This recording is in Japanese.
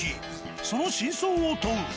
その真相を問う。